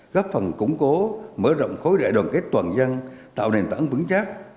góp phần củng cố mở rộng khối đại đoàn kết toàn dân tạo nền tảng vững chắc